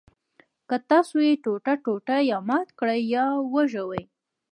که تاسو یې ټوټه ټوټه یا مات کړئ یا وژوئ.